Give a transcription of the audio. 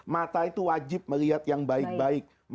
mata itu wajib melihat yang baik baik